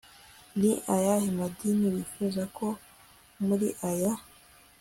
Ni ayahe madini wifuza ko muri aya